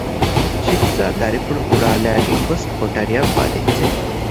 ޝިފްޒާ ދަރިފުޅު އުރާލައިގެން ގޮސް ކޮޓަރިއަށް ވަދެއްޖެ